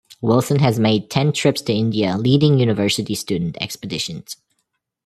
Wilson has made ten trips to India leading university student expeditions.